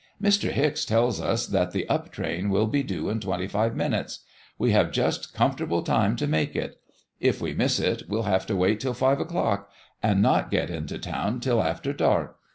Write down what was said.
Mr. Hicks tells us that the up train will be due in twenty five minutes. We have just comfortable time to make it. If we miss it, we'll have to wait till five o'clock, and not get into town till after dark.